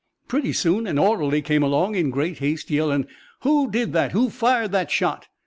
"Pretty soon an orderly came along in great haste, yellin', 'Who did that? Who fired that shot?'